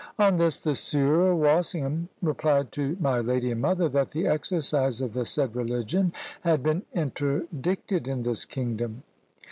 On this, the Sieur Walsingham replied to my lady and mother, that the exercise of the said religion had been interdicted in this kingdom.